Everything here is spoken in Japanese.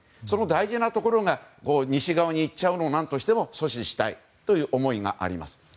その大事なところが西側に行っちゃうのを何としても阻止したいという思いがあります。